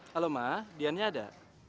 halo ma diannya ada